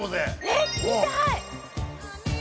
えっ見たい！